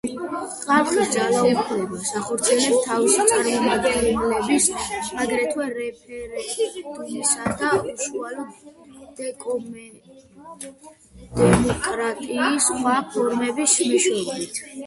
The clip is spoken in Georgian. ხალხი ძალაუფლებას ახორციელებს თავისი წარმომადგენლების, აგრეთვე რეფერენდუმისა და უშუალო დემოკრატიის სხვა ფორმების მეშვეობით.